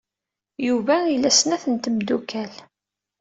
Yuba ila snat n tmeddukal.